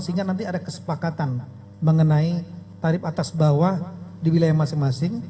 sehingga nanti ada kesepakatan mengenai tarif atas bawah di wilayah masing masing